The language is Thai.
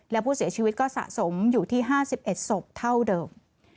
และผู้เสียชีวิตก็สะสมอยู่ที่๕๑ศพเท่าเดิม